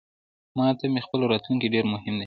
ماته مې خپل راتلونکې ډیرمهم دی